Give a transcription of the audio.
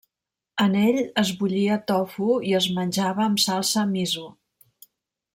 En ell, es bullia tofu i es menjava amb salsa miso.